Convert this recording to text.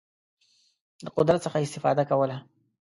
له قدرت څخه استفاده کوله.